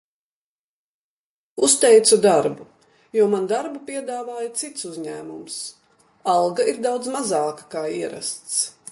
Uzteicu darbu, jo man darbu piedāvāja cits uzņēmums. Alga ir daudz mazāka kā ierasts.